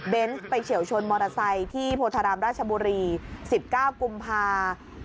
ไปเฉียวชนมอเตอร์ไซค์ที่โพธารามราชบุรี๑๙กุมภา